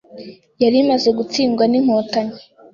yari imaze gutsindwa n’Inkotanyi,